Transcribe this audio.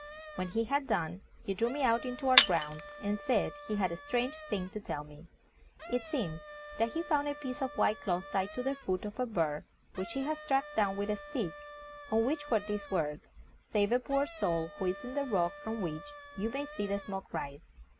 When he had done, he drew me out into our grounds and said he had a strange thing to tell me. It seems that he found a piece of white cloth tied to the foot of a bird which he had struck down with a stick, on which were these words: "Save a poor soul, who is on the rock from which you may see the smoke rise."